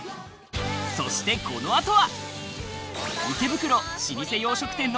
そしてこの後は。